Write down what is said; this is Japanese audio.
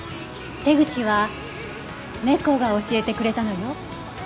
手口は猫が教えてくれたのよ。